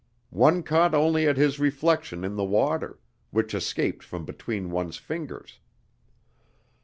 One caught only at his reflection in the water, which escaped from between one's fingers.